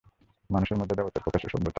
মানুষের মধ্যে দেবত্বের প্রকাশই সভ্যতা।